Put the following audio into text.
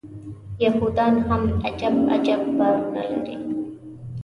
یهودان هم عجب عجب باورونه لري.